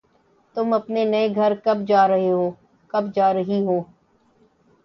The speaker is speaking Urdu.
تم اپنے نئے گھر کب جا رہی ہو